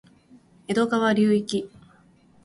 江戸川流域